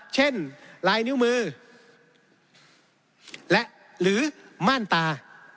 เช่นลายนิ้วมือและหรือม่านตา